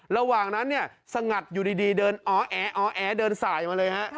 ระหว่างนั้นเนี่ยสงัดอยู่ดีเดินอ๋อแอเดินสายมาเลยฮะ